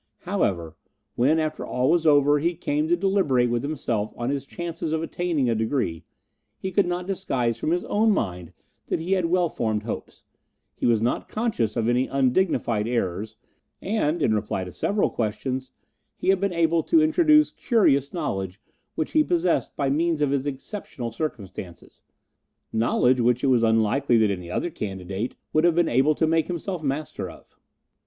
However, when, after all was over, he came to deliberate with himself on his chances of attaining a degree, he could not disguise from his own mind that he had well formed hopes; he was not conscious of any undignified errors, and, in reply to several questions, he had been able to introduce curious knowledge which he possessed by means of his exceptional circumstances knowledge which it was unlikely that any other candidate would have been able to make himself master of.